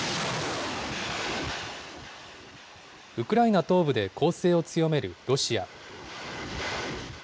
ウクライナ東部で攻勢を強めるロシア。